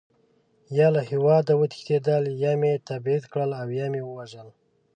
یا له هېواده وتښتېدل، یا مې تبعید کړل او یا مې ووژل.